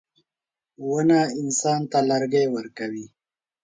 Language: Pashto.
• ونه انسان ته لرګي ورکوي.